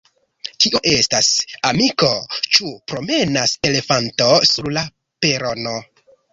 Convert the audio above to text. Kio estas, amiko, ĉu promenas elefanto sur la perono?